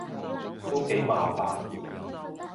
都幾麻煩